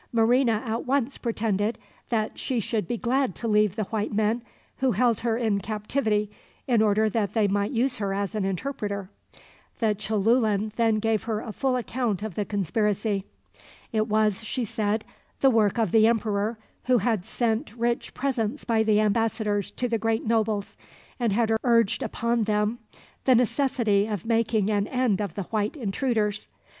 Marina at once pretended that she should be glad to leave the white men, who held her in captivity in order that they might use her as an interpreter. The Cholulan then gave her a full account of the conspiracy. It was, she said, the work of the emperor, who had sent rich presents by the ambassadors to the great nobles, and had urged upon them the necessity of making an end of the white intruders.